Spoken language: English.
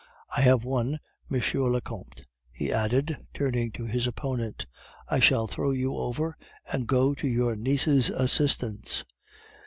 I have won, M. le Comte," he added, turning to his opponent. "I shall throw you over and go to your niece's assistance."